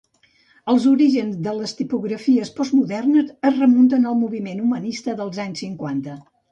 Els orígens de les tipografies postmodernes es remunten al moviment humanista dels anys cinquanta.